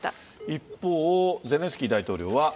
一方、ゼレンスキー大統領は。